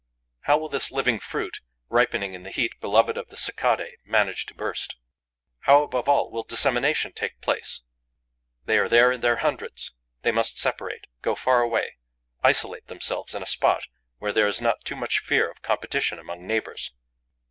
How will this living fruit, ripening in the heat beloved of the Cicadae, manage to burst? How, above all, will dissemination take place? They are there in their hundreds. They must separate, go far away, isolate themselves in a spot where there is not too much fear of competition among neighbours.